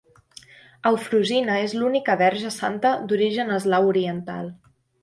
Eufrosina és l'única verge santa d'origen eslau oriental.